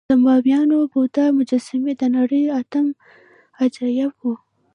د بامیانو بودا مجسمې د نړۍ اتم عجایب وو